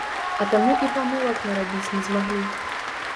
А таму і памылак нарабіць не змаглі.